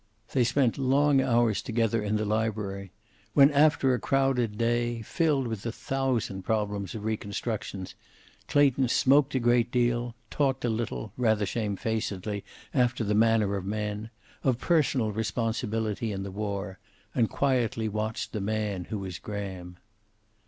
They spent long hours together in the library, when, after a crowded day, filled with the thousand, problems of reconstructions, Clayton smoked a great deal, talked a little, rather shame facedly after the manner of men, of personal responsibility in the war, and quietly watched the man who was Graham.